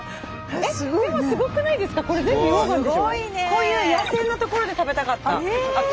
こういう野生の所で食べたかった。